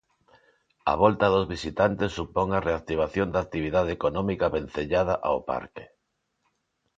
A volta dos visitantes supón a reactivación da actividade económica vencellada ao parque.